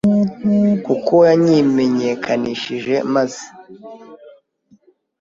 kuko yanyimenyekanishije maze